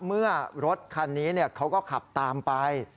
เมื่อรถคันนี้เขาก็ขับตามไป